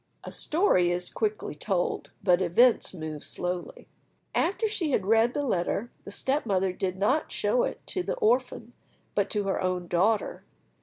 A story is quickly told, but events move slowly. After she had read the letter, the step mother did not show it to the orphan, but to her own daughter.